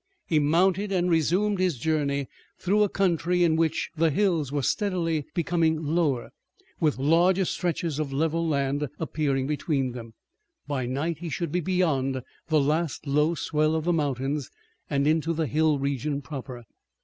He mounted and resumed his journey through a country in which the hills were steadily becoming lower, with larger stretches of level land appearing between them. By night he should be beyond the last low swell of the mountains and into the hill region proper.